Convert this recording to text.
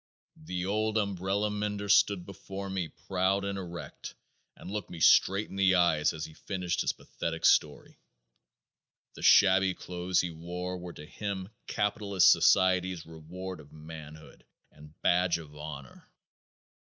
The old umbrella mender stood before me proud and erect and looked me straight in the eyes as he finished his pathetic story. The shabby clothes he wore were to him capitalist society's reward of manhood and badge of honor.